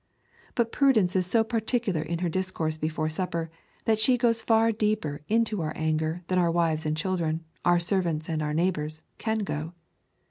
But Prudence is so particular in her discourse before supper, that she goes far deeper into our anger than our wives and our children, our servants and our neighbours, can go.